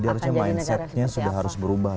jadi harusnya mindsetnya sudah harus berubah ya